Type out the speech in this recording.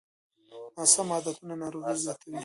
ناسم عادتونه ناروغۍ زیاتوي.